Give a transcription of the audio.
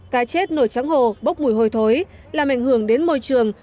cá chết nổi trắng hồ bốc mùi hôi thối làm ảnh hưởng đến môi trường